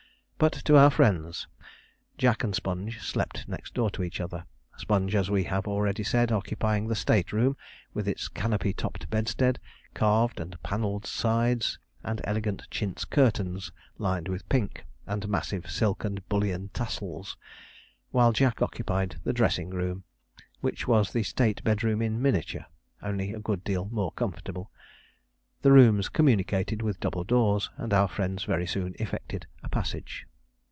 But, to our friends. Jack and Sponge slept next door to each other; Sponge, as we have already said, occupying the state room, with its canopy topped bedstead, carved and panelled sides, and elegant chintz curtains lined with pink, and massive silk and bullion tassels; while Jack occupied the dressing room, which was the state bedroom in miniature, only a good deal more comfortable. The rooms communicated with double doors, and our friends very soon effected a passage.